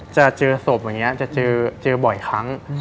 จะเจอศพอย่างนี้จะเจอบ่อยครั้ง